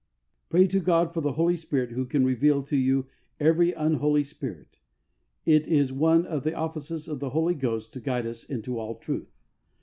Pray to God for the Holy Spirit, who can reveal to you every un holy spirit. It is one of the offices of the Holy Ghost to guide us into all truth.